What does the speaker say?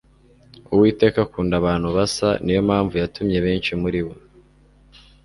Uwiteka akunda abantu basa Niyo mpamvu yatumye benshi muri bo